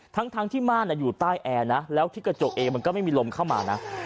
ทั้งที่ม่านอยู่ใต้แอร์นะแล้วที่กระจกเองมันก็ไม่มีลมเข้ามานะ